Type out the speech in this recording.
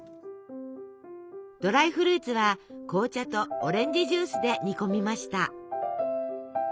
ドライフルーツは紅茶とオレンジジュースで煮込みました。